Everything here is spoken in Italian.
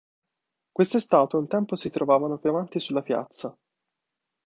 Queste statue un tempo si trovavano più avanti sulla piazza.